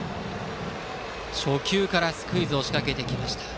初球からスクイズをしかけてきました。